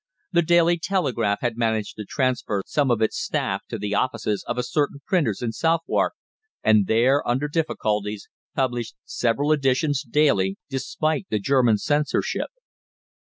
The "Daily Telegraph" had managed to transfer some of its staff to the offices of a certain printer's in Southwark, and there, under difficulties, published several editions daily despite the German censorship.